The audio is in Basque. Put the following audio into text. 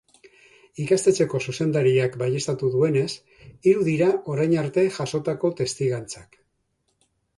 Ikastetxeko zuzendariak baieztatu duenez, hiru dira orain arte jasotako testigantzak.